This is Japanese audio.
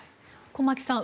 駒木さん